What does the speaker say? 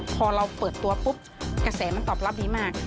พอเราเปิดตัวปุ๊บกระแสมันตอบรับดีมาก